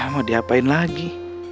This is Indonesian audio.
mau diapain lagi